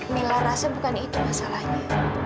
mila rasa bukan itu masalahnya